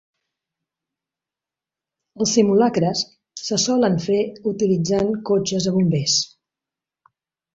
Els simulacres se solen fer utilitzant cotxes de bombers.